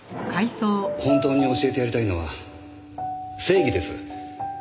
本当に教えてやりたいのは正義です。